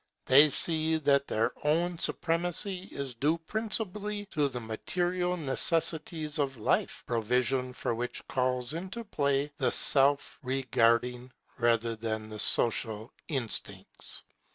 They see that their own supremacy is due principally to the material necessities of life, provision for which calls into play the self regarding rather than the social instincts.